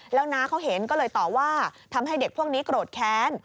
แล้วน้าเขาเห็นก็เลยต่อว่าทำให้เด็กพวกนี้โกรธแค้น